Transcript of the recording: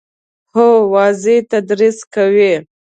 هو، واضح تدریس کوي